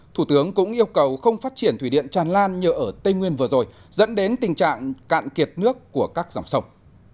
thủ tướng cũng yêu cầu không phát triển thủy điện tràn lan như ở tây nguyên vừa rồi dẫn đến tình trạng cạn kiệt nước của các dòng sông